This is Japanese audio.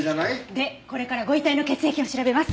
でこれからご遺体の血液を調べます。